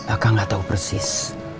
akan nggak tahu persis